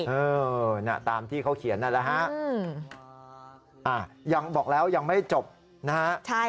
เออนี่ตามที่เขาเขียนนั่นแหละค่ะ